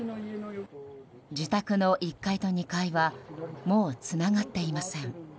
自宅の１階と２階はもうつながっていません。